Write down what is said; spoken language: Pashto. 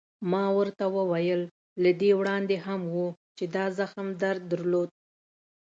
ما ورته وویل: له دې وړاندې هم و، چې دا زخم در درلود؟